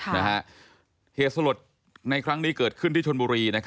เหตุสลดในครั้งนี้เกิดขึ้นที่ชนบุรี